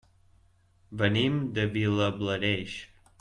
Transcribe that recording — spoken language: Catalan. Venim de Vilablareix.